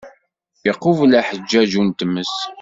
Iqubel aḥeǧǧaju n tmes.